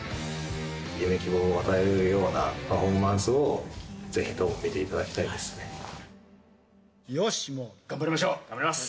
夢、希望を与えられるようなパフォーマンスをぜひとも見ていただきたよし、もう頑張りましょう。